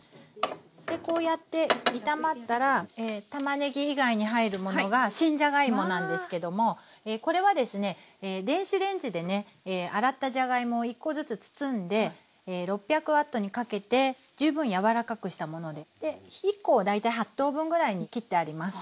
こうやって炒まったらたまねぎ以外に入るものが新じゃがいもなんですけどもこれはですね電子レンジでね洗ったじゃがいもを１コずつ包んで６００Ｗにかけて十分柔らかくしたもので１コを大体８等分ぐらいに切ってあります。